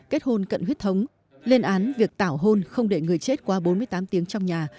kết hôn cận huyết thống lên án việc tảo hôn không để người chết qua bốn mươi tám tiếng trong nhà